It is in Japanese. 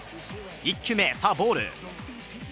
１球目、ボール。